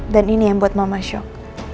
dan ini yang buat mama shock